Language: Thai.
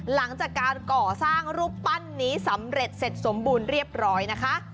หลังจากการก่อสร้างรูปปั้นนี้สำเร็จเสร็จสมบูรณ์เรียบร้อยนะคะ